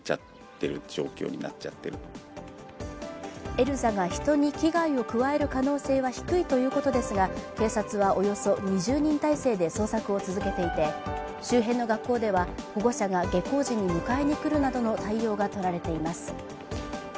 エルザが人に危害を加える可能性は低いということですが警察はおよそ２０人態勢で捜索を続けていて周辺の学校では、保護者が下校時に迎えにくるなどの対応が取られています。